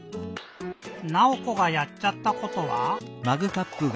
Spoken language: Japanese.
ナオコがやっちゃったことは？